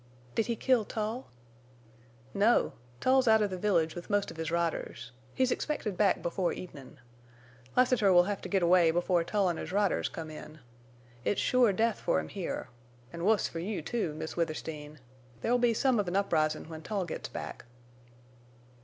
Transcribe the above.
"Did he kill Tull?" "No. Tull's out of the village with most of his riders. He's expected back before evenin'. Lassiter will hev to git away before Tull en' his riders come in. It's sure death fer him here. An' wuss fer you, too, Miss Withersteen. There'll be some of an uprisin' when Tull gits back."